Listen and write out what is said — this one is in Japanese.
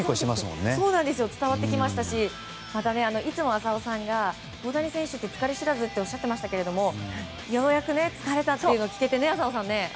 伝わってきましたしまた、いつも浅尾さんが大谷選手って疲れ知らずっておっしゃってましたけどようやく疲れたっていうのを聞けて、浅尾さん。